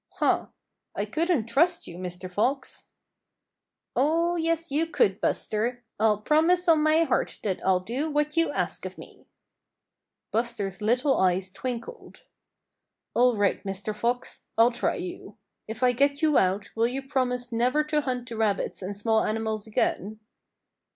"Huh! I couldn't trust you, Mr. Fox." "Oh, yes, you could, Buster! I'll promise on my heart that I'll do what you ask of me." Buster's little eyes twinkled. "All right, Mr. Fox, I'll try you. If I get you out will you promise never to hunt the rabbits and small animals again?"